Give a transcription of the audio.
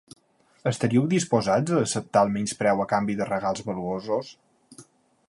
Estaríeu disposats a acceptar el menyspreu a canvi de regals valuosos?